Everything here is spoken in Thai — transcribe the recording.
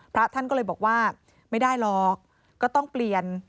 พระท่านก็เลยบอกว่าไม่ได้หรอกก็ต้องเปลี่ยน